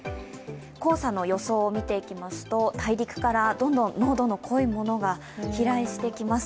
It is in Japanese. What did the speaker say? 黄砂の予想を見ていきますと大陸からどんどん濃度の濃いものが飛来してきます。